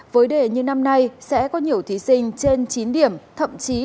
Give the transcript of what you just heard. với đề như năm nay sẽ có nhiều thí sinh trên chín điểm thậm chí là một mươi điểm